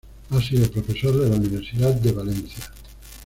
Ha sido profesor de la Universidad de Valencia.